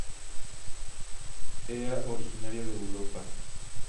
Ea originaria de Europa.